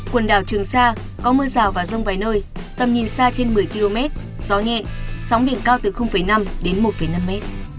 quần đảo trường sa có mưa rào và rông vài nơi tầm nhìn xa trên một mươi km gió nhẹ sóng biển cao từ năm đến một năm mét